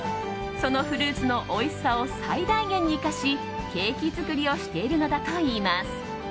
そのフルーツのおいしさを最大限に生かしケーキ作りをしているのだといいます。